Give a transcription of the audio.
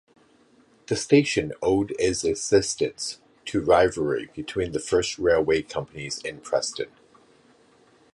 The station owed its existence to rivalry between the first railway companies in Preston.